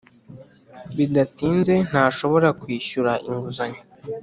Bidatinze ntashobora kwishyura inguzanyo